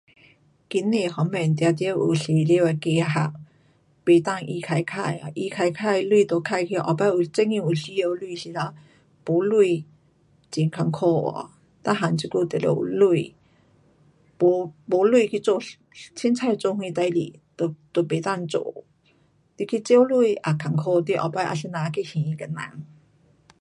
经济方面当然有想好的计划，不能随花花,随花花钱都花去，以后有真的有需要钱多时候没钱很困苦喔。全部现在都要有钱。